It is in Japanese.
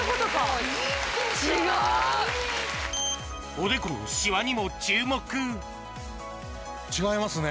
おでこのシワにも注目違いますね。